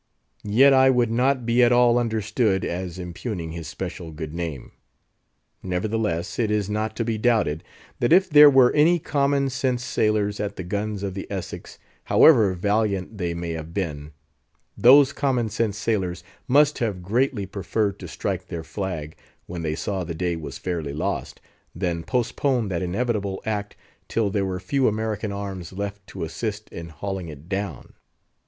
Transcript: Yet I would not be at all understood as impugning his special good name. Nevertheless, it is not to be doubted, that if there were any common sense sailors at the guns of the Essex, however valiant they may have been, those common sense sailors must have greatly preferred to strike their flag, when they saw the day was fairly lost, than postpone that inevitable act till there were few American arms left to assist in hauling it down.